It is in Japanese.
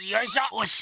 おし！